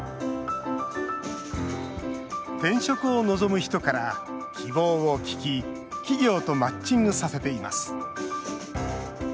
転職を望む人から希望を聞き企業とマッチングさせています。